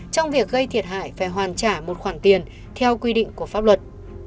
trong việc gây thiệt hại phải hoàn trả một khoản tiền theo quy định của pháp luật